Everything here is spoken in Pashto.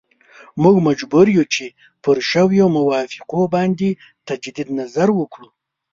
موږ مجبور یو چې پر شویو موافقو باندې تجدید نظر وکړو.